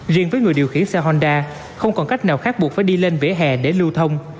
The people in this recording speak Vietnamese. riêng với người điều khiển xe honda không còn cách nào khác buộc phải đi lên vỉa hè để lưu thông